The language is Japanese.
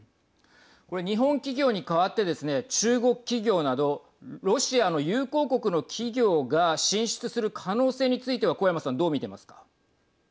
これ、日本企業に代わってですね、中国企業などロシアの友好国の企業が進出する可能性については小山さん、どう見ていますか。